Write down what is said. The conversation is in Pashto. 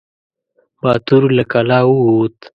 باتور له کلا ووت.